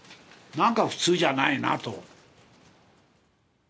なんか普通じゃないなと。